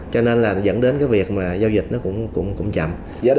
cho nên là dẫn đến cái việc mà giao dịch nó cũng chậm